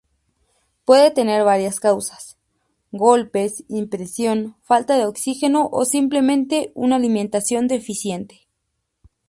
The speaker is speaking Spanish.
Puede tener varias causas: golpes, impresión, falta de oxígeno o simplemente una alimentación deficiente.